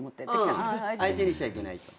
相手にしちゃいけないと。